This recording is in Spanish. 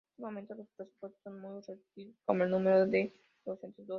En ese momento los presupuestos son muy reducidos como el número de docentes, doce.